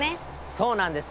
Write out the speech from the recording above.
そうなんです。